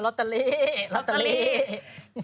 ลอตเตอรี่ลอตเตอรี่